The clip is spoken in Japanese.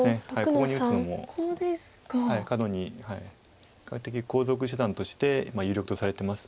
ここに打つのもカドに比較的後続手段として有力とされてます。